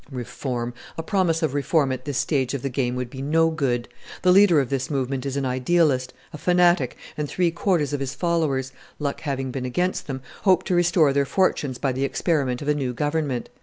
"Reform! a promise of reform at this stage of the game would be no good. The leader of this movement is an idealist, a fanatic, and three quarters of his followers luck having been against them hope to restore their fortunes by the experiment of a new Government.